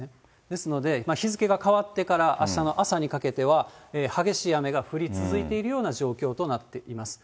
ですので、日付が変わってから、あしたの朝にかけては、激しい雨が降り続いているような状況となっています。